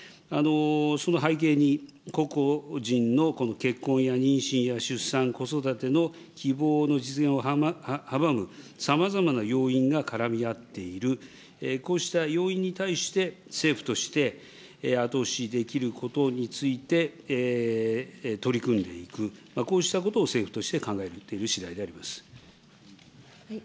その背景に、個々人のこの結婚や妊娠や出産、子育ての希望の実現を阻むさまざまな要因が絡み合っている、こうした要因に対して、政府として後押しできることについて、取り組んでいく、こうしたことを政府として考えているしだいであります。